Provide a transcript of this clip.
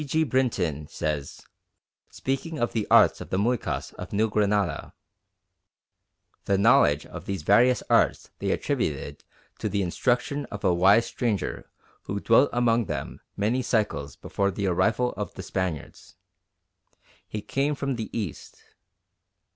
G. Brinton says, speaking of the arts of the Muycas of New Granada, "The knowledge of these various arts they attributed to the instruction of a wise stranger who dwelt among them many cycles before the arrival of the Spaniards. He came from the East....